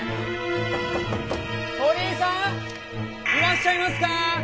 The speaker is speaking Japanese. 鳥居さんいらっしゃいますか？